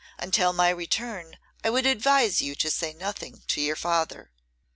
Until my return I would advise you to say nothing to your father.